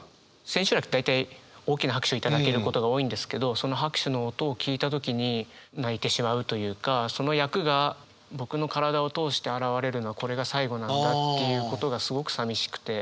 千秋楽大体大きな拍手頂けることが多いんですけどその拍手の音を聞いた時に泣いてしまうというかその役が僕の体を通して現れるのはこれが最後なんだっていうことがすごくさみしくて。